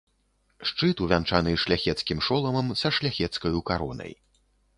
Шчыт увянчаны шляхецкім шоламам са шляхецкаю каронай.